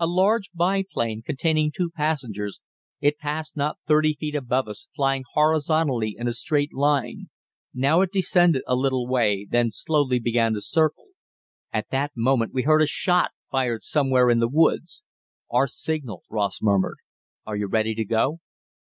A large biplane, containing two passengers, it passed not thirty feet above us, flying horizontally in a straight line. Now it descended a little way, then slowly began to circle. At that moment we heard a shot, fired somewhere in the woods. "Our signal," Ross murmured. "Are you ready to go?"